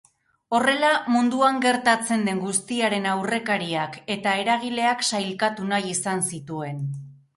Horrela, munduan gertatzen den guztiaren aurrekariak eta eragileak sailkatu nahi izan zituen.